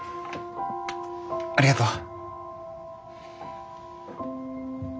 ありがとう。